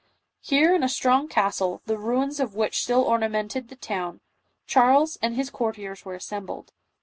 Here in a strong castle, the ruins of which still ornamented the town, Charles and his courtiers were assembled.